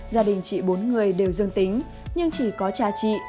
gia đình chị bốn người đều dương tính nhưng chỉ có cha chị